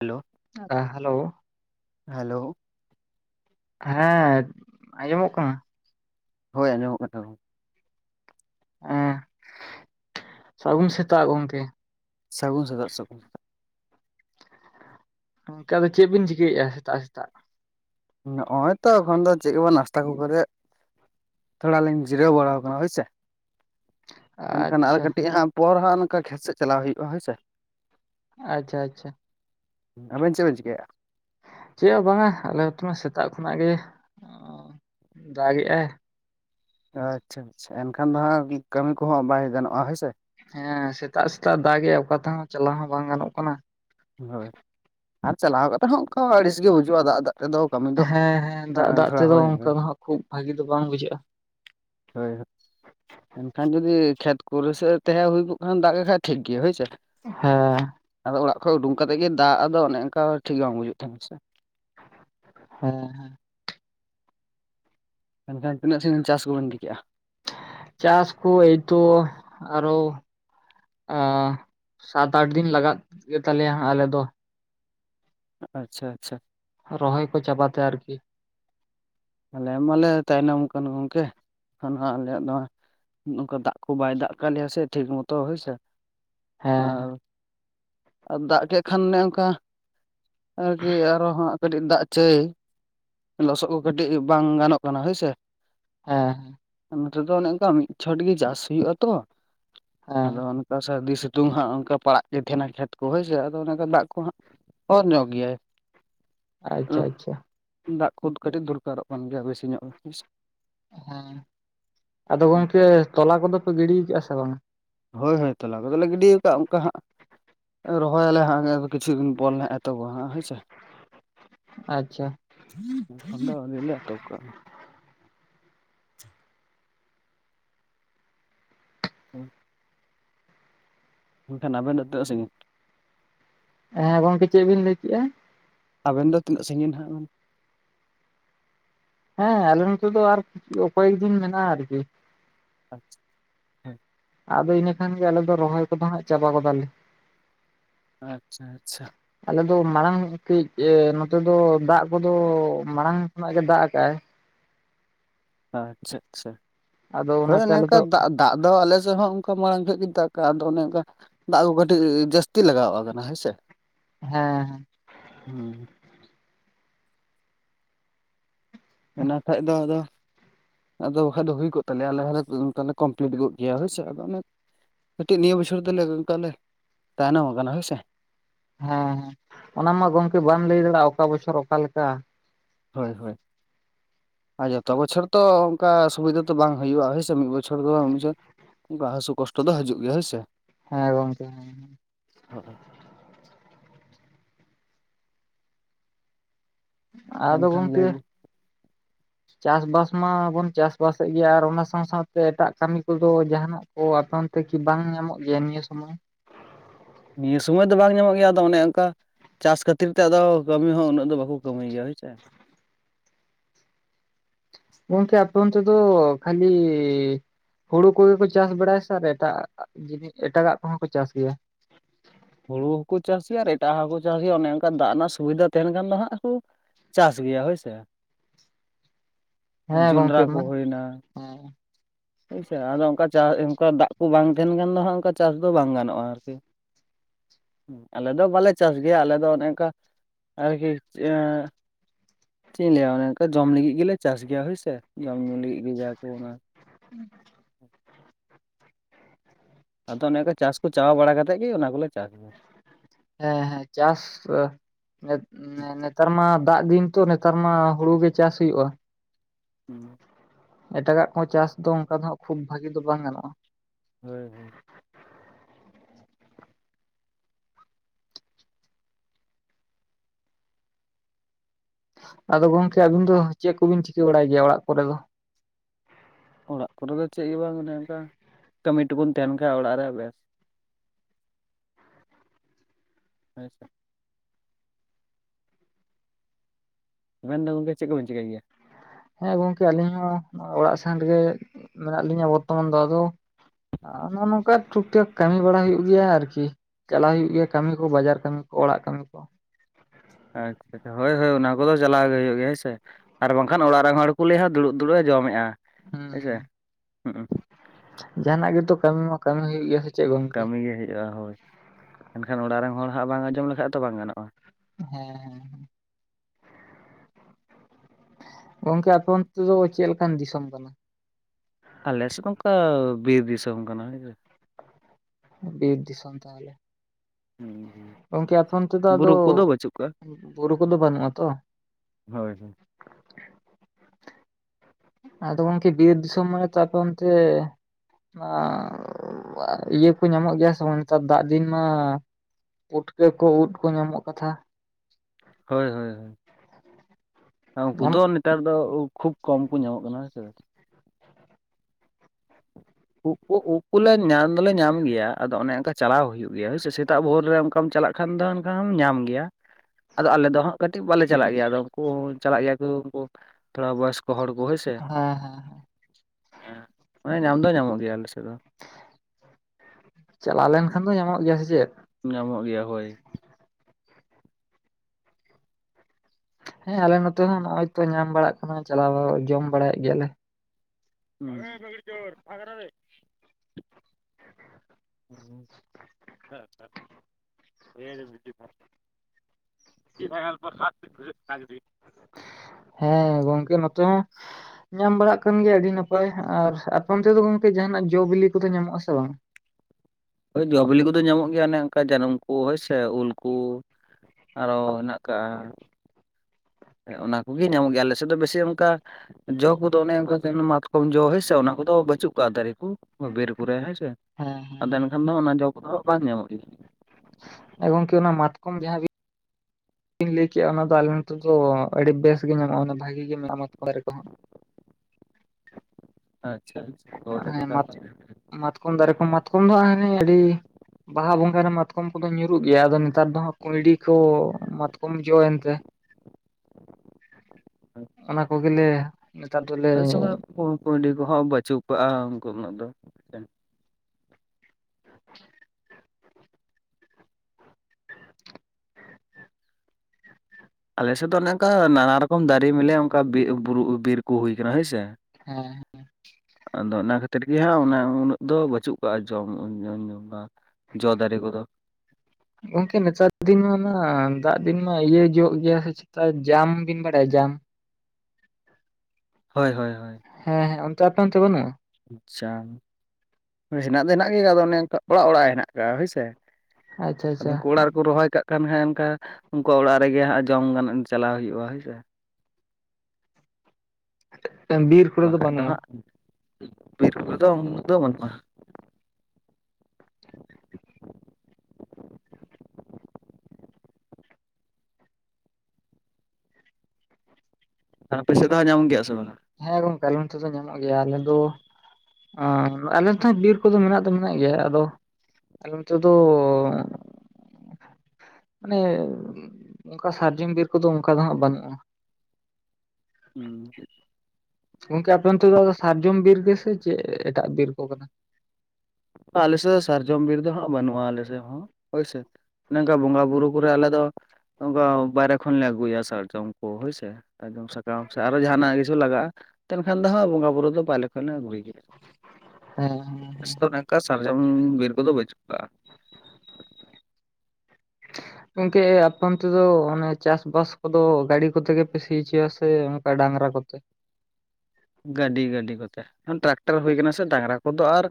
Hello, ᱟ hello, hello, ᱦᱮᱸ ᱟᱸᱡᱚᱢᱚᱜ ᱠᱟᱱᱟ, ᱦᱳᱭ ᱟᱸᱡᱚᱢᱚᱜ ᱠᱟᱱ ᱛᱟᱢᱟ᱾ ᱦᱩᱸ ᱥᱟᱹᱜᱩᱱ ᱥᱮᱛᱟᱜ ᱜᱚᱢᱠᱮ, ᱥᱟᱹᱜᱩᱱ ᱥᱮᱛᱟᱜ, ᱥᱟᱹᱜᱩᱱ ᱥᱮᱛᱟᱜ᱾ ᱜᱚᱢᱠᱮ ᱟᱫᱚ ᱪᱮᱜ ᱵᱤᱱ ᱪᱤᱠᱟᱹᱭᱮᱜᱼᱟ ᱥᱮᱛᱟᱜ ᱥᱮᱛᱟᱜ? ᱱᱚᱜ ᱚᱭ ᱛᱚ ᱮᱠᱷᱚᱱ ᱫᱚ ᱪᱮᱜ ᱜᱮᱵᱟ ᱱᱟᱥᱛᱟ ᱠᱚ ᱠᱚᱨᱮᱫ ᱛᱷᱚᱲᱟ ᱞᱤᱧ ᱡᱤᱨᱟᱹᱣ ᱵᱟᱲᱟ ᱠᱟᱱᱟ ᱦᱳᱭᱥᱮ, ᱮᱱᱠᱷᱟᱱ ᱟᱨ ᱟᱪᱪᱷᱟ ᱠᱟᱹᱴᱤᱡ ᱦᱟᱸᱜ ᱯᱚᱨ ᱦᱟᱸᱜ ᱱᱚᱱᱠᱟ ᱠᱷᱮᱛ ᱥᱮᱜ ᱪᱟᱞᱟᱣ ᱦᱩᱭᱩᱜᱼᱟ ᱦᱳᱭ ᱥᱮᱸ, ᱟᱪᱪᱷᱟ ᱟᱪᱪᱷᱟ ᱾ ᱟᱹᱵᱤᱱ ᱪᱮᱜ ᱵᱤᱱ ᱪᱤᱠᱟᱹᱭᱮᱜᱼᱟ? ᱪᱮᱜ ᱦᱚᱸ ᱵᱟᱝᱟ ᱟᱞᱮ ᱱᱚᱛᱮᱢᱟ ᱥᱮᱛᱟᱜ ᱠᱷᱚᱱᱟᱜ ᱜᱮ ᱫᱟᱜᱮᱜᱼᱟᱭ᱾ ᱟᱪᱪᱷᱟ ᱟᱪᱪᱷᱟ ᱮᱱᱠᱷᱟᱱ ᱫᱚ ᱦᱟᱸᱜ ᱠᱟᱹᱢᱤ ᱠᱚᱦᱚᱸ ᱵᱟᱭ ᱜᱟᱱᱚᱜᱼᱟ ᱦᱳᱭ ᱥᱮ ᱾ ᱦᱮᱸ ᱥᱮᱛᱟᱜ ᱥᱮᱛᱟᱜ ᱫᱟᱜ ᱜᱮᱫ ᱟᱭ ᱚᱠᱟ ᱛᱮᱦᱚᱸ ᱪᱟᱞᱟᱣ ᱦᱚᱸ ᱵᱟᱝ ᱜᱟᱱᱚᱜ ᱠᱟᱱᱟ᱾ ᱦᱳᱭ ᱟᱨ ᱪᱟᱞᱟᱣ ᱠᱟᱛᱮ ᱦᱚᱸ ᱚᱱᱠᱟ ᱟᱹᱲᱤᱥ ᱜᱮ ᱵᱩᱡᱩᱜᱼᱟ ᱫᱟᱜ ᱫᱟᱜ ᱛᱮᱫᱚ, ᱠᱟᱹᱢᱤ ᱫᱚ ᱦᱮᱸ ᱦᱮᱸ ᱫᱟᱜ ᱫᱟᱜ ᱛᱷᱚᱲᱟ ᱛᱮᱫᱚ ᱦᱳᱭ ᱚᱱᱠᱟ ᱦᱳᱭ ᱫᱚ ᱦᱟᱸᱜ ᱠᱷᱩᱵ ᱵᱷᱟᱜᱤ ᱫᱚ ᱵᱟᱝ ᱵᱩᱡᱷᱟᱹᱜᱼᱟ᱾ ᱦᱳᱭ ᱦᱳᱭ ᱾ ᱮᱱᱠᱷᱟᱱ ᱡᱩᱫᱤ ᱠᱷᱮᱛ ᱠᱚᱨᱮ ᱥᱮ ᱛᱮᱦᱮᱸ ᱦᱩᱭ ᱠᱚᱜ ᱠᱷᱟᱱ ᱫᱟᱜ ᱜᱮᱠᱷᱟᱡ ᱴᱷᱤᱠ ᱜᱮᱭᱟ ᱦᱳᱭᱥᱮ᱾ ᱦᱮᱸ ᱾ ᱟᱫᱚ ᱚᱲᱟᱜ ᱠᱷᱚᱡ ᱩᱰᱩᱝ ᱠᱟᱛᱮᱜ ᱜᱮ ᱫᱟᱜ ᱟᱫᱚ ᱚᱱᱮ ᱚᱱᱠᱟ ᱴᱷᱤᱠ ᱜᱮ ᱵᱟᱝ ᱵᱩᱡᱩᱜ ᱛᱟᱦᱮ ᱱᱟᱥᱮ, ᱦᱮᱸ ᱦᱮᱸ, ᱢᱮᱱᱠᱷᱟᱱ ᱛᱤᱱᱟᱹᱜ ᱥᱟᱹᱜᱤᱧ ᱪᱟᱥ ᱠᱚᱵᱤᱱ ᱤᱫᱤ ᱠᱮᱜᱼᱟ? ᱪᱟᱥ ᱠᱚ ᱮᱭᱛᱚ ᱟᱨᱚ ᱟᱸ ᱥᱟᱛ ᱟᱴ ᱫᱤᱱ ᱞᱟᱜᱟᱜ ᱜᱮ ᱛᱟᱞᱮᱭᱟ ᱦᱟᱸᱜ ᱟᱞᱮ ᱫᱚ᱾ ᱟᱪᱪᱷᱟ ᱟᱪᱪᱷᱟ ᱾ ᱨᱚᱦᱚᱭ ᱠᱚ ᱪᱟᱵᱟ ᱛᱮ ᱟᱨᱠᱤ ᱾ ᱟᱞᱮ ᱢᱟᱞᱮ ᱛᱟᱭᱱᱚᱢ ᱟᱠᱟᱱ ᱜᱚᱢᱠᱮ ᱟᱫᱚ ᱱᱟᱦᱟᱸᱜ ᱟᱞᱮᱭᱟᱜ ᱫᱚ ᱱᱚᱝᱠᱟ ᱫᱟᱜ ᱠᱚ ᱵᱟᱭ ᱫᱟᱜ ᱠᱟᱜ ᱞᱮᱭᱟ ᱥᱮ ᱴᱷᱤᱠ ᱢᱚᱛᱚ ᱦᱳᱭᱥᱮ, ᱦᱮᱸ ᱦᱮᱸ, ᱟᱨ ᱫᱟᱜ ᱠᱮᱜ ᱠᱷᱟᱱ ᱚᱱᱮ ᱚᱱᱠᱟ ᱟᱨᱠᱤ ᱟᱨᱚ ᱦᱟᱸᱜ ᱠᱟᱹᱴᱤᱡ ᱫᱟᱜ ᱪᱟᱹᱭ ᱞᱚᱥᱚᱜ ᱠᱟᱹᱴᱤᱡ ᱵᱟᱝ ᱜᱟᱱᱚᱜ ᱠᱟᱱᱟ ᱦᱳᱭ ᱥᱮ᱾ ᱦᱮᱸ᱾ ᱱᱚᱛᱮ ᱫᱚ ᱚᱱᱮ ᱚᱱᱠᱟ ᱢᱤᱫ ᱪᱷᱚᱴ ᱜᱤ ᱪᱟᱥ ᱦᱳᱭᱳᱜ-ᱟ ᱛᱚ ᱟᱫᱚ᱾ ᱦᱮᱸ ᱟᱫᱚ ᱚᱱ ᱠᱟ ᱥᱟᱹᱨᱫᱤ ᱥᱤᱛᱩᱝ ᱦᱟᱸᱜ ᱚᱱᱠᱟ ᱯᱟᱲᱟᱜ ᱜᱮ ᱛᱮᱦᱮᱱᱟ ᱠᱷᱮᱛ ᱠᱚ ᱦᱳᱭᱥᱮ᱾ ᱟᱫᱚ ᱚᱱᱮ ᱚᱱᱠᱟ ᱫᱟᱜ ᱠᱚ ᱦᱟᱸᱜ ᱚᱨ ᱧᱚᱜ ᱜᱮᱭᱟᱭ᱾ ᱟᱪᱪᱷᱟ ᱟᱪᱪᱷᱟ᱾ ᱫᱟᱜ ᱠᱚᱫ ᱠᱟᱹᱴᱤᱡ ᱫᱚᱨᱠᱟᱨᱚᱜ ᱠᱟᱱ ᱜᱮᱭᱟ ᱵᱮᱥᱤ ᱧᱚᱜ ᱜᱮ, ᱦᱳᱭ ᱥᱮ᱾ ᱦᱮᱸ᱾ᱸᱟᱫᱚ ᱜᱚᱝᱠᱮ ᱛᱚᱞᱟ ᱠᱚᱫᱚ ᱯᱮ ᱜᱤᱰᱤ ᱠᱟᱜᱼᱟ ᱥᱮ ᱵᱟᱝᱟ? ᱦᱳᱭ ᱦᱳᱭ ᱛᱟᱞᱟ ᱠᱚᱫᱚᱞᱮ ᱜᱤᱰᱤᱣ ᱠᱟᱜᱼᱟ᱾ ᱚᱱᱠᱟ ᱦᱟᱸᱜ ᱟᱫᱚ ᱨᱚᱦᱚᱭ ᱟᱞᱮ ᱦᱟᱸᱜ ᱱᱮᱥ ᱫᱚ ᱠᱤᱪᱷᱩ ᱫᱤᱱ ᱯᱚᱨ ᱦᱟᱸᱜ ᱮᱛᱚᱦᱚᱵᱚᱜ-ᱟ ᱦᱟᱸᱜ ᱦᱳᱭᱥᱮ᱾ ᱟᱪᱪᱷᱟ ᱮᱠᱷᱟᱱ ᱫᱚ ᱟᱣᱨᱤ ᱵᱤᱞᱤᱜ-ᱟ ᱛᱚ ᱚᱠᱟ ᱦᱚᱸ᱾ ᱦᱳᱭ᱾ ᱢᱮᱱᱠᱷᱟᱱ ᱟᱵᱮᱱᱟᱜ ᱛᱤᱱᱟᱹᱜ ᱥᱟᱺᱜᱤᱱ? ᱦᱮᱸ ᱜᱚᱝᱠᱮ ᱪᱮᱜ ᱵᱤᱱ ᱞᱟᱹᱭ ᱠᱮᱜᱼᱟ? ᱟᱵᱮᱱ ᱫᱚ ᱛᱤᱱᱟᱹᱜ ᱥᱟᱺᱜᱤᱱ ᱦᱟᱸᱜ ᱜᱚᱝᱠᱮ? ᱦᱮᱸ ᱟᱞᱮ ᱱᱚᱛᱮ ᱫᱚ ᱟᱨ ᱠᱚᱭᱮᱠ ᱫᱤᱱ ᱢᱮᱱᱟᱜᱼᱟ ᱟᱨᱠᱤ᱾ [inaudible] ᱟᱫᱚ ᱤᱱᱟᱹ ᱠᱷᱟᱱ ᱜᱮ ᱟᱞᱮ ᱫᱚ ᱨᱚᱦᱚᱭ ᱠᱚᱫᱚ ᱦᱟᱸᱜ ᱪᱟᱵᱟ ᱜᱚᱫᱟᱞᱮ᱾ ᱟᱪᱪᱷᱟ ᱟᱪᱪᱷᱟ᱾ ᱟᱞᱮ ᱫᱚ ᱢᱟᱲᱟᱝ ᱠᱟᱹᱡ ᱮ ᱱᱚᱛᱮ ᱫᱚ ᱫᱟᱜ ᱠᱚᱫᱚ ᱢᱟᱲᱟᱝ ᱠᱷᱚᱱᱟᱜ ᱜᱮ ᱫᱟᱜ ᱟᱠᱟ-ᱟᱭ᱾ ᱟᱪᱪᱷᱟ ᱟᱪᱪᱷᱟ᱾ ᱟᱫᱚ ᱦᱳᱭ ᱚᱱᱟᱛᱮ ᱚᱱᱮ ᱟᱞᱮ ᱚᱱᱝᱠᱟ ᱫᱚ ᱫᱟᱜ ᱫᱟᱜ ᱫᱚ ᱟᱞᱮ ᱥᱮᱫ ᱦᱚᱸ ᱚᱱᱠᱟ ᱢᱟᱲᱟᱝ ᱠᱷᱟᱡ ᱜᱮ ᱫᱟᱜ ᱠᱟᱜ-ᱟ ᱟᱫᱚ ᱚᱱᱮ ᱚᱱᱠᱟ ᱫᱟᱜ ᱠᱚ ᱠᱟᱹᱴᱤᱡ ᱡᱟᱹᱥᱛᱤ ᱞᱟᱜᱟᱣ ᱠᱟᱱᱟ ᱦᱳᱭ ᱥᱮ᱾ ᱦᱮᱸ ᱦᱮᱸ᱾ ᱦᱩᱸ᱾ ᱢᱮᱱᱟ ᱠᱷᱟᱡ ᱫᱚ ᱟᱫᱚ ᱟᱫᱚ ᱵᱟᱠᱟᱱ ᱫᱚ ᱦᱩᱭ ᱠᱚᱫ ᱛᱟᱞᱮᱭᱟ᱾ ᱟᱞᱮ ᱦᱚᱸᱞᱮ ᱛᱟᱞᱦᱮ ᱠᱚᱢᱯᱞᱤᱴ ᱜᱚᱫ ᱜᱮᱭᱟ ᱦᱳᱭᱥᱮ ᱟᱫᱚ ᱚᱱᱮ ᱠᱟᱹᱴᱤᱡ ᱱᱤᱭᱟᱹ ᱵᱚᱪᱷᱚᱨ ᱫᱚᱞᱮ ᱚᱱᱠᱟ ᱞᱮ ᱛᱟᱭᱱᱚᱢ ᱟᱠᱟᱱᱟ ᱦᱳᱭ ᱥᱮ᱾ ᱦᱮᱸ ᱦᱮᱸ᱾ ᱚᱱᱟ ᱢᱟ ᱜᱚᱝᱠᱮ ᱵᱟᱢ ᱞᱟᱹᱭ ᱫᱟᱲᱮᱜ-ᱟ, ᱚᱠᱟ ᱵᱚᱪᱷᱚᱨ ᱚᱠᱟᱞᱮᱠᱟ᱾ ᱦᱳᱭ ᱦᱳᱭ᱾ ᱟᱨ ᱡᱚᱛᱚ ᱵᱚᱪᱷᱚᱨ ᱛᱚ ᱚᱱᱠᱟ ᱥᱩᱵᱤᱫᱷᱟ ᱫᱚᱚ ᱵᱟᱝ ᱦᱩᱭᱩᱜ-ᱟ, ᱦᱭᱥᱮ ᱢᱤᱫ ᱵᱚᱪᱷᱚᱨ ᱫᱚ ᱵᱟᱝ [unintelligible] ᱚᱱᱠᱟ ᱦᱟᱹᱥᱩ ᱠᱚᱥᱴᱚ ᱫᱚ ᱦᱤᱡᱩᱜ ᱜᱮᱭᱟ, ᱦᱳᱭ ᱥᱮ? ᱦᱮᱸ ᱜᱚᱝᱠᱮ ᱦᱮᱸ᱾ ᱦᱚᱸᱜ-ᱚ᱾ ᱟᱫᱚ ᱮᱱᱠᱷᱟᱱ ᱞᱟᱹᱭ ᱜᱚᱢᱠᱮ ᱵᱤᱱ ᱪᱟᱥᱵᱟᱥ ᱢᱟᱵᱚᱱ ᱪᱟᱥᱵᱟᱥᱮᱫ ᱜᱮᱭᱟ ᱟᱨ ᱚᱱᱟ ᱥᱟᱶ ᱥᱟᱶᱶᱛᱮ ᱮᱴᱟᱜ ᱠᱟᱹᱢᱤ ᱠᱚᱫᱚ ᱡᱟᱦᱟᱱᱟᱜ ᱚ ᱟᱯᱮ ᱚᱱᱛᱮ ᱠᱤ ᱵᱟᱝ ᱧᱟᱢᱚᱜ ᱜᱮᱭᱟ ᱱᱤᱭᱟᱹ ᱥᱩᱚᱢᱚᱭ? ᱱᱤᱭᱟᱹ ᱥᱚᱢᱚᱭ ᱫᱚ ᱵᱟᱝ ᱧᱟᱢᱚᱜ ᱜᱮᱭᱟ, ᱟᱫᱚ ᱚᱱᱮ ᱚᱱᱠᱟ ᱪᱟᱥ ᱠᱷᱟᱹᱛᱤᱨ ᱛᱮ ᱟᱫᱚ ᱠᱟᱹᱢᱤ ᱦᱚᱸ ᱩᱱᱟᱹᱜ ᱫᱚ ᱵᱟᱠᱚ ᱠᱟᱹᱢᱤ ᱜᱮᱭᱟ ᱦᱳᱭᱥᱮ᱾ ᱜᱚᱝᱠᱮ ᱟᱞᱮ ᱚᱱᱛᱮ ᱫᱚ ᱠᱷᱟᱹᱞᱤ ᱦᱩᱲᱩ ᱠᱚᱜᱮ ᱠᱚ ᱪᱟᱥ ᱵᱟᱲᱟᱭᱟ ᱥᱮ ᱟᱨ ᱮᱴᱟᱜ-ᱟᱜ ᱡᱤᱱᱤᱥ ᱮᱴᱟᱜᱟᱜ ᱠᱚᱦᱚᱸ ᱠᱚ ᱪᱟᱥ ᱜᱮᱭᱟ᱾ ᱦᱩᱲᱩ ᱦᱚᱸᱠᱚ ᱪᱟᱥ ᱜᱮᱭᱟ ᱟᱨ ᱮᱴᱟᱜ ᱦᱚᱸᱜ ᱠᱚ ᱪᱟᱥ ᱦᱚᱭᱤᱜ-ᱟ ᱚᱱᱮ ᱚᱱᱠᱟ ᱫᱟᱜ ᱨᱮᱱᱟᱜ ᱥᱩᱵᱤᱫᱟ ᱛᱟᱦᱮᱱ ᱠᱷᱟᱱ ᱫᱚ ᱦᱟᱸᱜ ᱠᱩ᱾ ᱪᱟᱥ ᱜᱮᱭᱟ ᱦᱳᱭᱥᱮ᱾ ᱦᱮᱸ ᱡᱚᱸᱰᱨᱟ ᱜᱚᱝᱠᱮ ᱠᱚ ᱢᱟ ᱦᱩᱭᱱᱟ᱾ ᱦᱮᱸ ᱦᱳᱭ ᱥᱮ ᱟᱫᱚ ᱚᱱᱠᱟ ᱪᱟᱥ ᱚᱱᱠᱟ ᱫᱟᱜ ᱠᱚ ᱵᱟᱝ ᱛᱟᱦᱮᱱ ᱠᱷᱟᱱ ᱫᱚ ᱦᱟᱸᱜ ᱚᱱᱠᱟ ᱪᱟᱥ ᱫᱚ ᱵᱟᱝ ᱜᱟᱱᱚᱜᱼᱟ ᱟᱨᱠᱤ᱾ ᱟᱞᱮ ᱫᱚ ᱵᱟᱞᱮ ᱪᱟᱥ ᱜᱮᱭᱟ ᱟᱞᱮ ᱫᱚ ᱚᱱᱮ ᱚᱱᱠᱟ ᱟᱨᱠᱤ ᱮᱸ ᱪᱮᱫ ᱞᱟᱹᱭᱟ ᱮ ᱚᱱᱠᱟ ᱡᱚᱢ ᱞᱟᱹᱜᱤᱫ ᱜᱮᱞᱮ ᱪᱟᱥ ᱜᱮᱭᱟ ᱦᱳᱭᱥᱮ ᱡᱚᱢ ᱧᱩ ᱜᱮ ᱡᱟ᱾ ᱚᱱᱟ [unintelligible] ᱟᱫᱚ ᱚᱱᱮ ᱠᱚ ᱪᱟᱥ ᱠᱚ ᱪᱟᱵᱟ ᱵᱟᱲᱟ ᱜᱮ ᱠᱚᱞᱮ ᱪᱟᱥ ᱜᱮᱭᱟ᱾ ᱦᱮᱸ ᱦᱮᱸ ᱪᱟᱥᱼᱼ ᱱᱮᱛᱟᱨ ᱢᱟ ᱫᱟᱜ ᱫᱤᱱ ᱛᱚ ᱱᱮᱛᱟᱨ ᱢᱟ ᱦᱩᱲᱩ ᱜᱮ ᱪᱟᱥ ᱦᱩᱭᱩᱜᱳᱼᱟ᱾ [unintelligible] ᱮᱴᱟᱜᱟᱜ ᱠᱚ ᱪᱟᱥ ᱫᱚ ᱚᱱᱠᱟ ᱫᱚ ᱦᱟᱜ ᱠᱷᱩᱵ ᱵᱷᱟᱜᱤ ᱫᱚ ᱵᱟᱝ ᱜᱟᱱᱚᱜᱼᱟ᱾ [inaudible] ᱟᱫᱚ ᱜᱚᱝᱠᱮ ᱟᱵᱤᱱ ᱫᱚ ᱪᱮᱫ ᱠᱚᱵᱤᱱ ᱪᱤᱠᱟᱹ ᱵᱟᱲᱟᱭ ᱜᱮᱭᱟ ᱚᱲᱟᱜ ᱠᱚᱨᱮ ᱫᱚ᱾ ᱚᱲᱟᱜ ᱠᱚᱨᱮ ᱫᱚ ᱪᱮᱫ ᱜᱮ ᱵᱟᱝ ᱚᱱᱮ ᱚᱱᱠᱟ ᱠᱟᱹᱢᱤ ᱴᱩᱠᱩᱱ ᱛᱟᱦᱮᱱ ᱠᱷᱟᱱ ᱚᱲᱟᱜ ᱨᱮ ᱵᱮᱥ, [unintelligible] ᱢᱮᱱ ᱮᱫᱟ ᱜᱚᱝᱠᱮ ᱪᱮᱫ ᱠᱚᱵᱤᱱ ᱪᱤᱠᱟᱹᱭ ᱜᱮᱭᱟ᱾ ᱦᱮᱸ ᱜᱚᱝᱠᱮ ᱟᱹᱞᱤᱧ ᱦᱚᱸ ᱚᱲᱟᱜ ᱥᱮᱱ ᱨᱮᱜᱮ ᱢᱮᱱᱟᱜ ᱞᱤᱧᱟ ᱵᱚᱨᱛᱚᱢᱟᱱ ᱫᱚ ᱟᱫᱚ᱾ ᱚᱱᱮ ᱱᱚᱝᱠᱟ ᱴᱷᱩᱠ ᱴᱷᱟᱠ ᱠᱟᱹᱢᱤ ᱵᱟᱲᱟ ᱦᱩᱭᱩᱜ ᱜᱮᱭᱟ ᱟᱨᱠᱤ᱾ ᱪᱟᱞᱞᱟᱣ ᱦᱩᱭᱩᱜ ᱜᱮᱭᱟ ᱠᱟᱹᱢᱤ ᱠᱚ ᱵᱟᱡᱟᱨ ᱠᱟᱹᱢᱤ ᱠᱚ ᱚᱲᱟᱜ ᱠᱟᱹᱢᱤ ᱠᱚ᱾ ᱟᱪᱪᱷᱟ ᱦᱳᱭ ᱦᱳᱭ ᱚᱱᱟ ᱠᱚᱫᱚ ᱪᱟᱞᱟᱣ ᱜᱮ ᱦᱩᱭᱩᱜ ᱜᱮᱭᱟ ᱦᱮᱸ ᱥᱮ᱾ ᱟᱨ ᱵᱟᱝᱠᱷᱟᱱ ᱚᱲᱟᱜ ᱨᱮᱱ ᱦᱚᱲ ᱠᱚ ᱞᱟᱹᱭᱟ ᱫᱩᱲᱩᱵ ᱫᱩᱲᱩᱵ ᱮ ᱡᱚᱢᱮᱫᱼᱟ ᱦᱩᱸ ᱦᱮᱭᱥᱮ ᱦᱩᱸ ᱦᱩᱸ᱾ ᱡᱟᱦᱟᱱᱟᱜ ᱜᱮᱛᱚ ᱠᱟᱹᱢᱤ ᱢᱟ ᱠᱟᱹᱢᱤ ᱦᱩᱭᱩᱜ ᱜᱮᱭᱟ᱾ ᱪᱮᱫ ᱜᱚᱝᱠᱮ ᱠᱟᱹᱢᱤ ᱜᱮ ᱦᱩᱭᱩᱜᱼᱟ ᱦᱳᱭ ᱮᱱᱠᱷᱟᱱ ᱚᱲᱟᱜ ᱨᱮᱱ ᱦᱚᱲ ᱦᱟᱸᱜ ᱵᱟᱝ ᱟᱸᱡᱚᱢ ᱞᱮᱠᱷᱟᱡ ᱛᱚ ᱵᱟᱝ ᱜᱟᱱᱚᱜᱼᱟ᱾ [unintelligible] ᱜᱚᱝᱠᱮ ᱟᱯᱮ ᱚᱱᱛᱮ ᱫᱚ ᱪᱮᱫ ᱞᱮᱠᱟᱱ ᱫᱤᱥᱚᱢ ᱠᱟᱱᱟ᱾ ᱟᱞᱮᱥᱮᱫ ᱱᱚᱝᱠᱟ ᱵᱤᱨ ᱫᱤᱥᱚᱢ ᱠᱟᱱᱟ ᱦᱮᱸᱥᱮ᱾ ᱵᱤᱨ ᱫᱤᱥᱚᱢ ᱛᱟᱦᱚᱞᱮ! ᱦᱩᱸ ᱜᱚᱝᱠᱮ ᱟᱯᱮ ᱚᱱᱛᱮ ᱫᱚ ᱟᱫᱚ ᱵᱩᱨᱩ ᱠᱚᱫᱚ ᱵᱟᱹᱪᱩᱜ ᱠᱟᱜᱼᱟ ᱵᱩᱨᱩ ᱠᱚᱫᱚ ᱵᱟᱹᱱᱩᱜᱼᱟ ᱛᱚ? ᱦᱳᱭ, ᱦᱳᱭ! ᱟᱫᱚ ᱜᱚᱝᱠᱮ ᱵᱤᱨ ᱫᱤᱥᱚᱢ ᱢᱟᱱᱮ ᱛᱚ ᱟᱯᱮ ᱚᱱᱛᱮ ᱤᱭᱟᱹ ᱠᱚ ᱧᱟᱢᱚᱜ ᱜᱮᱭᱟ ᱥᱮ ᱱᱮᱛᱟᱨ ᱫᱟᱜ ᱫᱤᱱ ᱢᱟ ᱯᱩᱴᱠᱟᱹ ᱠᱚ ᱩᱫ ᱠᱚ ᱧᱟᱢᱚᱜ ᱠᱟᱛᱷᱟ? ᱦᱳᱭ, ᱦᱳᱭ! ᱟᱨ ᱩᱝᱠᱩ ᱧᱟᱢᱚᱜ ᱫᱚ ᱱᱤᱛ ᱛᱟᱨ ᱫᱚ ᱩᱜ ᱠᱷᱩᱵ ᱠᱚᱢ ᱠᱚ ᱧᱟᱢᱚᱜ ᱠᱟᱱᱟ ᱦᱮᱸ ᱥᱮ ᱾ ᱩᱜ ᱠᱚ ᱩᱜ ᱠᱚᱞᱮ ᱧᱟᱢ ᱫᱚᱞᱮ ᱧᱟᱢ ᱜᱮᱭᱟ, ᱟᱫᱚ ᱚᱱᱮ ᱚᱱᱠᱟ ᱪᱟᱞᱟᱣ ᱦᱩᱭᱩᱜ ᱜᱮᱭᱟ ᱦᱳᱭᱥᱮ ᱥᱮᱛᱟᱜ ᱵᱷᱳᱨ ᱨᱮ ᱚᱝᱠᱟᱢ ᱪᱟᱞᱟᱜ ᱠᱷᱟᱱ ᱫᱚ ᱦᱟᱱ ᱠᱷᱟᱢ ᱧᱟᱢ ᱜᱮᱭᱟ ᱾ ᱟᱫᱚ ᱟᱞᱮ ᱫᱚ ᱦᱟᱸᱜ ᱠᱟᱹᱴᱤᱡ ᱵᱟᱞᱮ ᱪᱟᱞᱟᱜ ᱜᱮᱭᱟ, ᱟᱫᱚ ᱩᱝᱠᱩ ᱪᱟᱞᱟᱜ ᱜᱮᱭᱟ ᱩᱝᱠᱩ ᱛᱷᱚᱲᱟ ᱵᱚᱭᱚᱥᱠᱚ ᱦᱚᱲ ᱠᱚ ᱦᱳᱭ ᱥᱮ ᱾ ᱦᱮᱸ, ᱦᱮᱸ! ᱦᱩᱸ, ᱢᱟᱱᱮ ᱧᱟᱢ ᱫᱚ ᱧᱟᱢᱚᱜ ᱜᱮᱭᱟ ᱟᱞᱮ ᱥᱮᱫ ᱫᱚ ᱾ ᱪᱟᱞᱟᱣ ᱞᱮᱱᱠᱷᱟᱱ ᱫᱚ ᱧᱟᱢᱚᱜ ᱜᱮᱭᱟ ᱥᱮ ᱪᱮᱫ? ᱧᱟᱢᱚᱜ ᱜᱮᱭᱟ, ᱦᱳᱭ ᱾ ᱦᱮᱸ ᱟᱞᱮ ᱱᱚᱛᱮ ᱦᱚᱸ ᱱᱚᱜ ᱚᱭ ᱛᱚ ᱧᱟᱢ ᱵᱟᱲᱟᱜ ᱠᱟᱱᱟ, ᱪᱟᱞᱟᱣ ᱡᱚᱢ ᱵᱟᱲᱟᱭᱮᱜ ᱜᱮᱭᱟᱞᱮ ᱾ ᱮᱭ ᱪᱳᱨ ᱵᱷᱟᱜᱨᱟ ᱨᱮ ᱾ [inaudible] [unintelligible] [unintelligible] ᱦᱮᱸ ᱜᱚᱝᱠᱮ ᱱᱚᱛᱮ ᱦᱚᱸ ᱧᱟᱢ ᱵᱟᱲᱟᱜ ᱠᱟᱱ ᱜᱮᱭᱟ ᱟᱹᱰᱤ ᱱᱟᱯᱟᱭ, ᱟᱨ ᱟᱯᱮ ᱚᱱᱛᱮ ᱫᱚ ᱜᱚᱝᱠᱮ ᱡᱟᱦᱟᱱᱟᱜ ᱡᱚ ᱵᱤᱞᱤ ᱠᱚᱫᱚ ᱧᱟᱢᱚᱜ ᱟᱥᱮ ᱵᱟᱝ? ᱦᱳᱭ ᱡᱚ ᱵᱤᱞᱤ ᱠᱚᱫᱚ ᱧᱟᱢᱚᱜ ᱜᱮᱭᱟ, ᱦᱟᱱᱮ ᱚᱝᱠᱟ ᱡᱟᱹᱱᱢ ᱠᱩ ᱦᱳᱭᱥᱮ ᱩᱞᱠᱩ, ᱟᱨᱚ ᱦᱮᱱᱟᱜ ᱠᱟᱜᱼᱟ ᱾ ᱚᱱᱟ ᱠᱚᱜᱮ ᱧᱟᱢᱚᱜ ᱜᱮᱭᱟ, ᱟᱞᱮ ᱥᱮᱫ ᱫᱚ ᱵᱮᱥᱤ ᱚᱝᱠᱟ ᱡᱚ ᱠᱚᱫᱚ ᱚᱱᱮ ᱚᱝᱠᱟ ᱡᱮᱢᱚᱱ ᱢᱟᱛᱠᱚᱢ ᱡᱚ ᱦᱳᱭ ᱥᱮ ᱚᱱᱟ ᱠᱚᱫᱚ ᱵᱟᱹᱪᱩᱜ ᱠᱚᱜᱼᱟ ᱫᱟᱨᱮ ᱠᱩ ᱾ ᱵᱤᱨ ᱠᱚᱨᱮ ᱦᱳᱭ ᱥᱮ ᱾ ᱦᱮᱸ, ᱦᱮᱸ ᱾ ᱟᱫᱚ ᱮᱱᱠᱷᱟᱱ ᱫᱚ ᱚᱱᱟ ᱡᱚ ᱠᱚᱫᱚ ᱦᱟᱜ ᱵᱟᱝ ᱧᱟᱢᱚᱜ ᱜᱮᱭᱟ ᱾ ᱮ ᱜᱚᱝᱠᱮ ᱚᱱᱟ ᱢᱟᱛᱠᱚᱢ ᱡᱟᱦᱟᱸ ᱵᱤᱱ ᱞᱮᱭ ᱠᱮᱜᱼᱟ ᱚᱱᱟ ᱫᱚ ᱟᱞᱮ ᱱᱚᱛᱮ ᱫᱚ ᱟᱹᱰᱤ ᱵᱮᱥ ᱜᱮ ᱧᱟᱢᱚᱜᱼᱟ ᱚᱱᱟ ᱵᱷᱟᱜᱤ ᱜᱮ ᱢᱮᱱᱟᱜᱼᱟ ᱢᱟᱛᱽᱠᱚᱢ ᱫᱟᱨᱮ ᱠᱚᱦᱚᱸ ᱾ ᱟᱪᱪᱷᱟ, ᱟᱪᱪᱷᱟ ᱾ ᱦᱮᱸ ᱢᱟᱛ-ᱢᱟᱛᱠᱚᱢ ᱫᱟᱨᱚᱠᱚᱢ ᱢᱟᱛᱠᱚᱢ ᱫᱚ ᱦᱟᱱᱮ ᱟᱹᱰᱤ ᱵᱟᱦᱟ ᱵᱚᱸᱜᱟ ᱨᱮ ᱢᱟᱛᱠᱚᱢ ᱠᱚᱫᱚ ᱧᱩᱨᱩᱜ ᱜᱮᱭᱟ, ᱟᱫᱚ ᱱᱮᱛᱟᱨ ᱫᱚ ᱦᱟᱜ ᱠᱩᱸᱭᱰᱤ ᱠᱚ ᱢᱟᱛᱠᱚᱢ ᱡᱚ ᱮᱱᱛᱮ ᱚᱱᱟ ᱠᱚᱜᱮᱞᱮ ᱱᱮᱛᱟᱨ ᱫᱚᱞᱮ ᱟᱞᱮ ᱥᱚᱸᱜᱮ ᱠᱩ ᱠᱩᱭᱰᱤ ᱠᱚᱦᱚᱸ ᱵᱟᱹᱪᱩᱜ ᱠᱟᱜᱼᱟ ᱜᱚᱝᱠᱮ ᱩᱱᱟᱹᱜ ᱫᱚ ᱾ [inaudible] ᱟᱞᱮ ᱥᱮᱫ ᱫᱚ ᱚᱱᱮ ᱚᱱᱠᱟ ᱱᱟᱱᱟ ᱨᱚᱠᱚᱢ ᱫᱟᱨᱮ ᱢᱤᱞᱮ ᱚᱝᱠᱟ ᱵᱤᱜ ᱵᱩᱨᱩ ᱵᱤᱨ ᱠᱩ ᱦᱩᱭ ᱠᱟᱱᱟ ᱦᱮᱸᱥᱮ ᱾ ᱦᱮᱸ ᱾ ᱟᱫᱚ ᱚᱱᱟ ᱠᱷᱟᱹᱛᱤᱨ ᱜᱮ ᱦᱟᱸᱜ ᱚᱱᱮ ᱩᱱᱟᱹᱜ ᱫᱚ ᱵᱟᱹᱪᱩᱜ ᱠᱟᱜᱼᱟ ᱡᱚᱢ ᱧᱩ ᱧᱩ ᱢᱟ ᱾ ᱡᱚ ᱫᱟᱨᱮ ᱠᱚᱫᱚ ᱾ ᱜᱚᱝᱠᱮ ᱱᱮᱛᱟᱨ ᱫᱤᱱ ᱢᱟ ᱚᱱᱟ ᱫᱟᱜ ᱫᱤᱱ ᱢᱟ ᱤᱭᱟᱹ ᱡᱚᱜ ᱜᱮᱭᱟ ᱥᱮ ᱪᱮᱜ? ᱛᱟ ᱡᱟᱢ ᱵᱤᱱ ᱵᱟᱲᱟᱭᱟ ᱡᱟᱢ? ᱦᱳᱭ, ᱦᱳᱭ, ᱦᱳᱭ ᱾ ᱦᱮᱸ, ᱦᱮᱸ, ᱚᱱᱛᱮ ᱟᱯᱮ ᱚᱱᱛᱮ ᱵᱟᱹᱱᱩᱜᱼᱟ? ᱟᱪᱪᱷᱟ, ᱦᱮᱱᱟᱜ ᱫᱚ ᱦᱮᱱᱟᱜ ᱜᱮᱭᱟ ᱟᱫᱚ ᱚᱱᱮ ᱚᱝᱠᱟ ᱚᱲᱟᱜ ᱚᱲᱟᱜ ᱦᱮᱱᱟᱜ ᱠᱟᱜᱼᱟ ᱦᱳᱭᱥᱮ ᱾ ᱟᱪᱪᱷᱟ ᱟᱫᱚ ᱟᱪᱪᱷᱟ ᱚᱝᱠᱳ ᱚᱲᱟᱜ ᱨᱮᱠᱚ ᱨᱚᱦᱚᱭ ᱠᱟᱜ ᱠᱟᱱ ᱠᱷᱟᱱ ᱚᱝᱠᱟ ᱩᱱᱠᱩᱣᱟᱜ ᱚᱲᱟᱜ ᱨᱮᱜᱮ ᱦᱟᱸᱜ ᱡᱚᱢ ᱜᱟᱱᱚᱜ ᱪᱟᱞᱟᱣ ᱦᱩᱭᱩᱜᱼᱟ ᱦᱳᱭᱥᱮ ᱾ ᱵᱤᱨ ᱠᱚᱨᱮ ᱵᱟᱠᱷᱟᱡ ᱫᱚ ᱵᱟᱹᱱᱩᱜᱼᱟ᱾ ᱦᱟᱸᱜ ᱵᱤᱨ ᱠᱚᱨᱮᱫᱚ ᱩᱱ ᱫᱚ ᱵᱟᱹᱱᱩᱜᱼᱟ᱾ ᱧᱨ ᱟᱯᱮ ᱥᱮᱫ ᱫᱚ ᱦᱟᱸᱜ ᱧᱟᱢᱚᱜ ᱜᱮᱭᱟ ᱥᱮ ᱵᱟᱝᱼᱟ? ᱦᱮᱸ ᱜᱚᱝᱠᱮ ᱟᱞᱮ ᱱᱚᱱᱛᱮ ᱫᱚ ᱧᱟᱢᱚᱜ ᱜᱮᱭᱟ ᱟᱞᱮ ᱫᱚ ᱚ ᱟᱞᱮ ᱱᱚᱛᱮ ᱦᱚ ᱵᱤᱨ ᱠᱚᱫᱚ ᱢᱮᱱᱟᱜ ᱫᱚ ᱢᱮᱱᱟᱜ ᱜᱮᱭᱟ, ᱟᱫᱚ ᱟᱞᱮ ᱚᱱᱛᱮ ᱫᱚᱻ ᱢᱟᱱᱮ ᱚᱝᱠᱟ ᱥᱟᱨᱡᱚᱢ ᱵᱤᱨ ᱠᱚᱫᱚ ᱚᱝᱠᱟ ᱫᱚ ᱦᱟᱜ ᱵᱟᱹᱱᱩᱜᱼᱟ᱾ ᱦᱩᱸ ᱾ ᱜᱚᱝᱠᱮ ᱟᱯᱮ ᱱᱚᱛᱮ ᱫᱚ ᱥᱟᱨᱡᱚᱢ ᱵᱤᱨ ᱜᱮᱥᱮ ᱪᱮᱫ ᱮᱴᱟᱜ ᱵᱤᱨ ᱠᱚ ᱠᱟᱱᱟ? ᱟᱞᱮᱥᱮᱫ ᱫᱚ ᱥᱟᱨᱡᱚᱢ ᱵᱤᱨ ᱫᱚ ᱦᱟᱸᱜ ᱵᱟᱹᱱᱩᱜᱼᱟ ᱟᱞᱮᱥᱮᱫ ᱦᱚᱸ ᱦᱳᱭ ᱥᱮ᱾ ᱚᱱᱮᱝᱠᱟ ᱵᱚᱸᱜᱟ ᱵᱩᱨᱩ ᱠᱚᱨᱮ ᱟᱞᱮ ᱫᱚ ᱚᱝᱠᱟ ᱵᱟᱭᱨᱮ ᱠᱷᱚᱱ ᱞᱮ ᱟᱹᱜᱩᱭᱟ ᱥᱟᱨᱡᱚᱢ ᱠᱚ ᱦᱳᱭᱥᱮ ᱾ ᱥᱟᱨᱚᱢ ᱥᱟ ᱥᱮ ᱟᱨᱚ ᱡᱟᱦᱟᱱᱟᱜ ᱠᱤᱷᱩ ᱞᱟᱜᱟᱜᱼᱟ ᱛᱮᱱᱠᱷᱟᱱ ᱫᱚ ᱦᱟᱸᱜ ᱵᱚᱸᱜᱟ ᱵᱩᱨᱩ ᱫᱚ ᱯᱟᱦᱞᱮ ᱠᱷᱚᱱᱟᱜ [inaudible] ᱦᱮᱸ ᱦᱮᱸ ᱦᱮᱸ [inaudible] ᱱᱚᱝᱠᱟ ᱥᱟᱨᱡᱚᱢ ᱵᱤᱨ ᱠᱚᱫᱚ ᱵᱟᱹᱪᱩᱜ ᱠᱟᱜᱼᱟ᱾ ᱜᱚᱝᱠᱮ ᱟᱯᱮ ᱚᱱᱛᱮ ᱫᱚ ᱚᱱᱮ ᱪᱟᱥ ᱵᱟᱥ ᱠᱚᱫᱚ ᱜᱟᱹᱲᱤ ᱠᱚᱛᱮ ᱜᱮᱯᱮ ᱥᱤ ᱦᱚᱪᱚᱭᱟ ᱥᱮ ᱚᱱᱠᱟ ᱰᱟᱝᱨᱟ ᱠᱚᱛᱮ? ᱜᱟᱹᱰᱤ ᱜᱟᱹᱰᱤ ᱠᱚᱛᱮ, ᱮᱠᱷᱚᱱ ᱴᱨᱟᱠᱴᱟᱨ ᱦᱩᱭ ᱟᱠᱟᱱᱟ ᱥᱮ ᱰᱟᱝᱨᱟ ᱠᱚᱫᱚ ᱟᱨ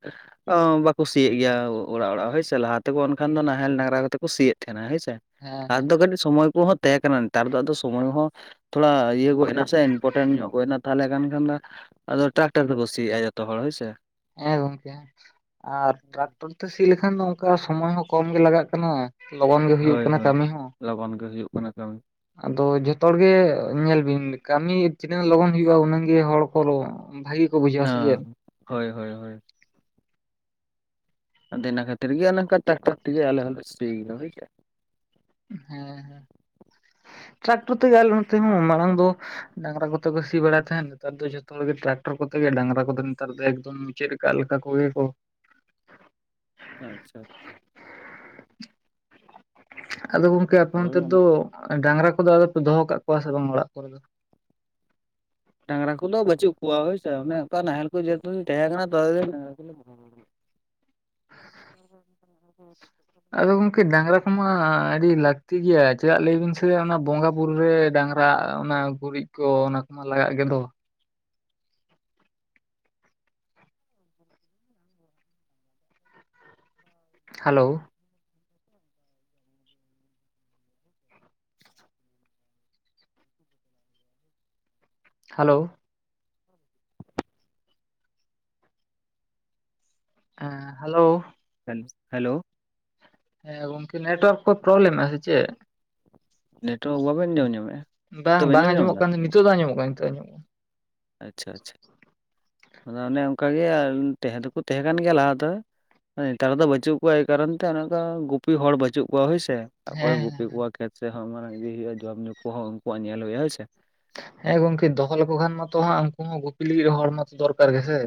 ᱚ ᱵᱟᱠᱚ ᱥᱤᱭᱮᱫ ᱜᱮᱭᱟ ᱚᱲᱟᱜ ᱚᱲᱟᱜ ᱦᱳᱭᱥᱮ ᱞᱟᱦᱟ ᱛᱮᱠᱚ ᱮᱱᱠᱷᱟᱱ ᱫᱚ ᱱᱟᱦᱮᱞ ᱰᱟᱝᱽᱨᱟ ᱠᱟᱛᱮ ᱠᱚ ᱥᱤᱭᱮᱫ ᱛᱟᱦᱮᱱᱟ ᱦᱳᱭ ᱥᱮ᱾ ᱦᱮᱸ ᱞᱟᱦᱟ ᱦᱮᱸ ᱛᱮᱫᱚ ᱠᱟᱹᱴᱤᱡ ᱥᱚᱢᱚᱭ ᱠᱚᱦᱚᱸ ᱛᱟᱦᱮᱸ ᱠᱟᱱᱟ ᱱᱮᱛᱟᱨ ᱫᱚ ᱟᱫᱚ ᱥᱚᱢᱚᱭ ᱦᱚᱸ ᱛᱷᱚᱲᱟ ᱤᱭᱟᱹ ᱠᱚᱡ ᱱᱟᱥᱮ ᱤᱱᱯᱴᱮᱱᱴ ᱧᱚᱜ ᱦᱩᱭᱱᱟ ᱾ ᱛᱟᱦᱚᱞᱮ ᱠᱷᱟᱱ ᱠᱷᱟᱱ ᱫᱚ ᱟᱫᱚ ᱴᱨᱟᱠᱴᱟᱨ ᱛᱮᱠᱚ ᱥᱤᱭᱟᱜᱼᱟ ᱡᱚᱛᱚ ᱦᱚᱲ ᱦᱳᱭᱥᱮ᱾ ᱦᱮᱸ ᱜᱚᱝᱠᱮ, ᱟᱨ ᱴᱨᱟᱠᱴᱚᱨ ᱛᱮ ᱥᱤ ᱞᱮᱠᱷᱟᱱ ᱫᱚ ᱚᱝᱠᱟ ᱥᱚᱢᱚᱭ ᱦᱚᱸ ᱠᱚᱢ ᱜᱮ ᱞᱟᱜᱟᱜ ᱠᱟᱱᱟ᱾ ᱞᱚᱜᱚᱱ ᱜᱮ ᱦᱩᱭᱩᱜ ᱦᱳᱭ ᱠᱟᱱᱟ ᱦᱳᱭ ᱠᱟᱹᱢᱤ ᱦᱚᱸ᱾ ᱞᱚᱜᱚᱱ ᱜᱮ ᱦᱩᱭᱩᱜ ᱠᱟᱱᱟ ᱠᱟᱹᱢᱤ᱾ ᱟᱫᱚ ᱡᱚᱛᱚ ᱦᱚᱲᱜᱮ ᱧᱮᱞ ᱵᱤᱱ ᱠᱟᱹᱢᱤ ᱛᱤᱱᱟᱹᱜ ᱞᱚᱜᱚᱱ ᱦᱩᱭᱩᱜᱼᱟ ᱩᱱᱟᱹᱜ ᱜᱮ ᱦᱚᱲ ᱠᱚ ᱵᱷᱟᱹᱜᱤ ᱠᱚ ᱵᱩᱡᱷᱟᱹᱣᱟ ᱥᱮ ᱪᱮᱫ ᱦᱟ ᱦᱳᱭ ᱦᱳᱭ ᱦᱳᱭ᱾ ᱟᱫᱚ ᱤᱱᱟ ᱠᱷᱟᱹᱛᱤᱨ ᱜᱮ ᱚᱱᱮ ᱚᱱᱠᱟ ᱴᱟᱠᱴᱟᱨ ᱛᱮᱜᱮ ᱟᱞᱮ ᱦᱚᱞᱮ ᱥᱤᱜᱮᱭᱟ ᱦᱩᱭ ᱥᱮ᱾ ᱦᱮᱸ ᱴᱨᱟᱠᱴᱚᱨ ᱛᱮᱜᱮ ᱟᱞᱮ ᱱᱚᱱᱛᱮ ᱦᱚᱸ ᱢᱟᱲᱟᱝ ᱫᱚ ᱰᱟᱝᱨᱟ ᱠᱚᱛᱮ ᱠᱚ ᱥᱤ ᱵᱟᱲᱟᱭ ᱛᱟᱦᱮᱸᱱ ᱱᱮᱛᱟᱨ ᱫᱚ ᱡᱷᱚᱛᱚ ᱦᱚᱲ ᱜᱮ ᱴᱨᱟᱠᱴᱚᱨ ᱠᱚᱛᱮ ᱜᱮ ᱰᱟᱝᱨᱟ ᱠᱚᱫᱚ ᱱᱮᱛᱟᱨ ᱫᱚ ᱮᱠᱫᱚᱢ ᱪᱮᱫ ᱠᱟᱞᱠᱟ ᱠᱚ ᱤᱭᱟᱹ ᱠᱚ ᱟᱪᱷᱟ᱾ ᱟᱫᱚ ᱜᱚᱝᱠᱮ ᱟᱯᱮ ᱱᱚᱱᱚᱛ ᱦᱳᱭ ᱚᱱᱮ ᱫᱚ ᱰᱟᱝᱨᱟ ᱠᱚᱫᱚ ᱟᱫᱚᱯᱮ ᱫᱚᱦᱚ ᱠᱟᱜ ᱠᱚᱣᱟ ᱥᱮ ᱵᱟᱝ ᱚᱲᱟᱜ ᱠᱚᱨᱮ ᱫᱚ? ᱰᱟᱝᱨᱟ ᱠᱚᱫᱚ ᱵᱟᱪᱩᱜ ᱠᱚᱣᱟ ᱦᱳᱭᱥᱮ ᱚᱱᱮ ᱚᱱᱠᱟ ᱱᱟᱦᱮᱞ ᱠᱚ ᱡᱚᱠᱷᱚᱱ ᱛᱟᱦᱮᱸ ᱠᱟᱱᱟ ᱛᱚᱛᱚ ᱫᱤᱱ [unintelligible] [inaudible] ᱟᱫᱚ ᱜᱚᱝᱠᱮ ᱰᱟᱝᱨᱟ ᱠᱚᱢᱟ ᱟᱹᱰᱤ ᱞᱟᱹᱠᱛᱤ ᱜᱮᱭᱟ ᱪᱮᱫᱟᱜ ᱞᱟᱹᱭᱵᱤᱱ ᱥᱮ ᱚᱱᱟ ᱵᱚᱸᱜᱟ ᱵᱩᱨᱩ ᱨᱮ ᱰᱟᱝᱨᱟ ᱫᱟᱜ ᱚᱱᱟ ᱜᱩᱨᱤᱡ ᱠᱚ ᱚᱱᱟ ᱠᱚᱢᱟ ᱞᱟᱜᱟᱜ ᱜᱮᱫᱚ᱾ ᱦᱮᱞᱳᱣ᱾ ᱦᱮᱞᱳᱣ᱾ ᱦᱮᱸ ᱦᱮᱞᱳᱣ᱾ ᱦᱮᱞᱳ, ᱦᱮᱸ ᱜᱚᱝᱠᱮ ᱱᱮᱴᱳᱣᱟᱨᱠ ᱠᱚ ᱯᱨᱚᱵᱞᱮᱢᱮᱫ ᱟ ᱥᱮᱪᱮᱫ? ᱱᱮᱴᱣᱟᱨᱠ ᱵᱟᱵᱮᱱ ᱟᱸᱡᱚᱢ ᱧᱟᱢᱮᱫᱼᱟ ᱵᱟᱝ ᱱᱤᱛᱚᱜ ᱵᱮᱱ ᱵᱟᱝ ᱟᱸᱡᱚᱢ ᱧᱟᱢ ᱟᱸᱡᱚᱢᱚᱜ ᱮᱫᱟ ᱠᱟᱱ ᱱᱤᱛᱳᱜ ᱫᱚ ᱟᱸᱡᱚᱢᱚᱜ ᱠᱟᱱ ᱱᱤᱛᱳᱜ ᱟᱸᱡᱚᱢᱚᱜᱼᱟ᱾ ᱟᱪᱷᱟ ᱟᱪᱷᱟ᱾ ᱟᱫᱚ ᱚᱱᱮ ᱚᱱᱠᱟᱜᱮ ᱛᱟᱦᱮᱸ ᱫᱚᱠᱚ ᱛᱟᱦᱮᱸ ᱠᱟᱱ ᱜᱮᱭᱟ ᱞᱟᱦᱟ ᱫᱚ᱾ ᱱᱮᱛᱟᱨ ᱫᱚ ᱵᱟᱹᱪᱩᱜ ᱠᱚᱣᱟ ᱮᱭ ᱠᱟᱨᱚᱱ ᱛᱮ ᱚᱱᱮ ᱚᱱᱠᱟ ᱜᱩᱯᱤ ᱦᱚᱲ ᱵᱟᱪᱩᱜ ᱠᱚᱣᱟ ᱦᱳᱭᱥᱮ᱾ ᱚᱠᱚᱭ ᱦᱮᱸ ᱜᱩᱯᱤ ᱦᱮᱸ ᱠᱚᱣᱟᱜ ᱠᱷᱮᱛ ᱥᱮᱦ ᱤᱫᱤ ᱦᱩᱭᱩᱜᱼᱟ ᱡᱚᱢ ᱧᱩ ᱠᱚᱦᱚᱸ ᱩᱱᱠᱩᱣᱟᱜ ᱧᱮᱞ ᱦᱩᱭᱩᱜᱼᱟ ᱦᱳᱭᱥᱮ᱾ ᱦᱮᱸ ᱜᱚᱝᱠᱮ ᱫᱚᱦᱚ ᱞᱮᱠᱚ ᱠᱷᱟᱱ ᱢᱟᱛᱚᱜ ᱩᱱᱠᱩ ᱦᱚᱸ ᱜᱩᱯᱤ ᱞᱟᱹᱜᱤᱫ ᱦᱚᱲ ᱢᱟᱛᱚ ᱫᱚᱨᱠᱟᱨ ᱜᱮᱥᱮ᱾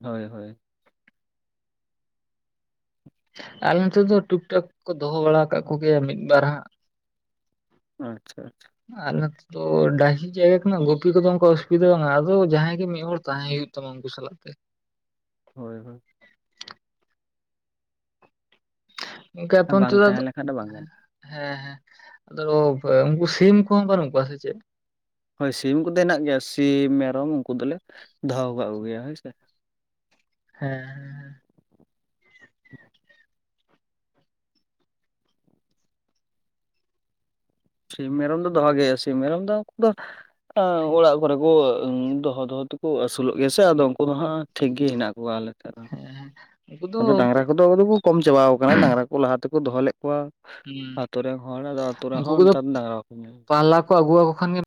ᱦᱳᱭ ᱦᱳᱭ᱾ ᱟᱨᱞᱮ ᱱᱚᱛᱮ ᱴᱩᱠ ᱴᱟᱠ ᱠᱚ ᱫᱚᱦᱚ ᱟᱠᱟᱫ ᱠᱚᱜᱮᱭᱟ ᱢᱤᱫᱵᱟᱨ ᱦᱟᱸᱜ᱾ ᱟᱪᱷᱟ ᱟᱪᱷᱟ᱾ [unintelligible] ᱛᱚ ᱰᱟᱹᱦᱤ ᱡᱟᱭᱜᱟ ᱠᱟᱱᱟ ᱜᱩᱯᱤ ᱠᱚᱫᱚ ᱚᱱᱠᱟ ᱚᱥᱩᱵᱤᱫᱟ ᱵᱟᱝ ᱟᱫᱚ ᱡᱟᱦᱟᱸᱭ ᱜᱮ ᱢᱤᱫ ᱦᱚᱲ ᱛᱟᱦᱮᱸ ᱦᱩᱭᱩᱜ ᱛᱟᱢᱟ ᱩᱱᱠᱩ ᱥᱟᱞᱟᱜ ᱛᱮ᱾ ᱦᱳᱭ ᱦᱳᱭ᱾ ᱜᱚᱝᱠᱮ ᱟᱯᱮ ᱚᱱᱛᱮ ᱵᱟᱝ ᱫᱚ ᱛᱟᱦᱮᱸ ᱟᱫᱚ ᱞᱮᱠᱷᱟᱱ ᱵᱟᱝ ᱜᱟᱱᱚᱜᱼᱟ ᱦᱮᱸ ᱦᱮᱸ ᱟᱫᱚ ᱩᱱᱠᱩ ᱥᱤᱢ ᱠᱚᱦᱚᱸ ᱵᱟᱹᱱᱩᱜ ᱠᱚᱣᱟ ᱥᱮᱪᱮᱫ? ᱦᱳᱭ ᱥᱤᱢ ᱠᱚᱫᱚ ᱦᱮᱱᱟᱜ ᱜᱮᱭᱟ ᱥᱤᱢ ᱢᱮᱨᱚᱢ ᱩᱱᱠᱩ ᱫᱚᱞᱮ ᱫᱚᱦᱚ ᱠᱟᱜ ᱠᱚᱜᱮᱭᱟ ᱦᱳᱭ ᱥᱮ᱾ ᱦᱮᱸ᱾ ᱥᱤᱢ ᱢᱮᱨᱚᱢ ᱫᱚ ᱫᱚᱦᱚ ᱜᱮ ᱦᱩᱭᱩᱜ-ᱟ ᱥᱤᱢ ᱢᱮᱨᱚᱢ ᱫᱚ ᱩᱱᱠᱩ ᱫᱚ ᱚᱲᱟᱜ ᱠᱚᱨᱮ ᱠᱚ ᱫᱚᱦᱚ ᱫᱚᱦᱚ ᱛᱮᱠᱚ ᱟᱹᱥᱩᱞᱚᱜ ᱜᱮᱭᱟ ᱥᱮ ᱟᱫᱚ ᱩᱱᱠᱩ ᱫᱚ ᱦᱟᱸᱜ ᱴᱷᱤᱠ ᱜᱮ ᱦᱮᱱᱟᱜ ᱠᱚᱣᱟ ᱟᱞᱮ ᱴᱷᱮᱱ ᱫᱚ᱾ ᱦᱮᱸ ᱦᱮᱸ᱾ ᱩᱱᱠᱩ ᱫᱚ ᱟᱫᱚ ᱰᱟᱝᱨᱟ ᱠᱚᱫᱚ ᱟᱫᱚ ᱠᱚ ᱠᱚᱢ ᱫᱟᱵᱟᱣ ᱟᱠᱟᱱᱟ ᱰᱟᱝᱨᱟ ᱠᱚ ᱞᱟᱦᱟ ᱛᱮᱠᱚ ᱫᱚᱦᱚ ᱞᱮᱫ ᱠᱚᱣᱟ᱾ ᱦᱩᱸ ᱟᱛᱳ ᱨᱮᱱ ᱦᱚᱲ ᱟᱫᱚ ᱟᱛᱳ ᱨᱮᱸᱦᱚ ᱱᱮᱛᱟᱨ ᱫᱚ ᱰᱟᱝᱨᱟ [unintelligible] ᱟᱹᱜᱩ ᱟᱠᱚ ᱠᱷᱟᱱ ᱜᱮ᱾